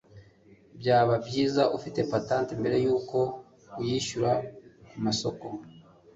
byaba byiza ufite patenti mbere yuko uyishyira kumasoko